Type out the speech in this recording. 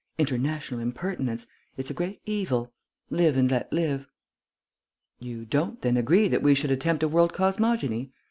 International impertinence ... it's a great evil. Live and let live." "You don't then agree that we should attempt a world cosmogony?